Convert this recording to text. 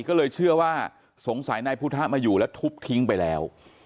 ก็เลยเชื่อว่าสงสัยนายพุทธะมาอยู่แล้วทุบทิ้งไปแล้ว